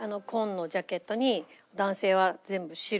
紺のジャケットに男性は全部白に白。